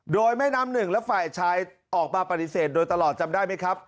โดยแม่น้ำหนึ่งและฝ่ายชายออกมาปฏิเสธโดยตลอดจำได้ไหมครับ